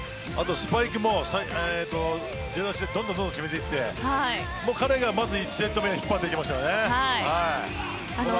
スパイクも出だしでどんどん決めていって彼がまず１セット目光りましたよね。